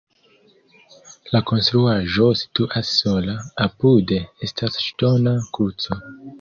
La konstruaĵo situas sola, apude estas ŝtona kruco.